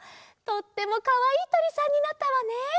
とってもかわいいとりさんになったわね。